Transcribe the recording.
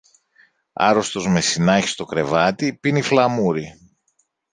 Άρρωστος με συνάχι στο κρεβάτι, πίνει φλαμούρι